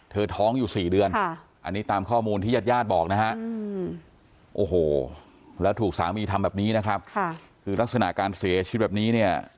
ท้องอยู่๔เดือนอันนี้ตามข้อมูลที่ญาติญาติบอกนะฮะโอ้โหแล้วถูกสามีทำแบบนี้นะครับคือลักษณะการเสียชีวิตแบบนี้เนี่ย